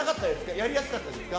やりやすかったですか？